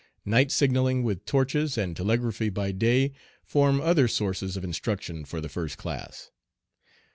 Night signalling with torches, and telegraphy by day, form other sources of instruction for the first class.